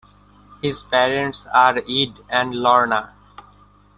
His parents are Ed and Lorna.